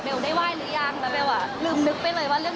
ได้ไหว้หรือยังแล้วเบลอ่ะลืมนึกไปเลยว่าเรื่อง